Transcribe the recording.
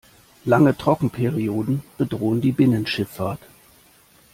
Lange Trockenperioden bedrohen die Binnenschifffahrt.